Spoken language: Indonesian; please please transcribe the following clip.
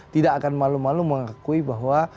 tidak akan malu malu mengakui bahwa